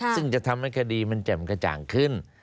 ซึ่งจะทำให้คดีมันแจ่มกระจ่างขึ้น